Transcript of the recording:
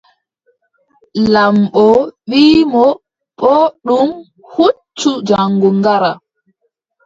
Laamɓo wii mo: booɗɗum huucu jaŋgo ngara.